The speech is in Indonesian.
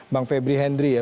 bang febri hendri ya